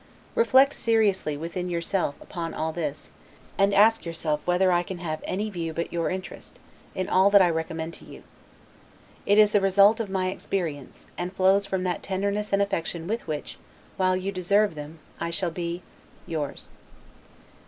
Reflect seriously, within yourself, upon all this, and ask yourself whether I can have any view, but your interest, in all that I recommend to you. It is the result of my experience, and flows from that tenderness and affection with which, while you deserve them, I shall be, Yours.